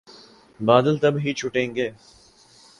بادل تب ہی چھٹیں گے۔